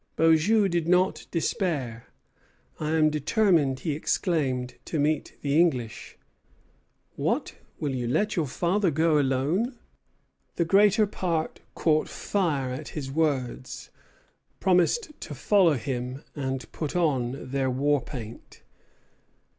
Beaujeu did not despair. "I am determined," he exclaimed, "to meet the English. What! will you let your father go alone?" The greater part caught fire at his words, promised to follow him, and put on their war paint.